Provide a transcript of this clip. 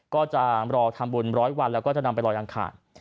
ก็จะรอทำบุญร้อยวันแล้วก็จะนำไปลอยอังคาร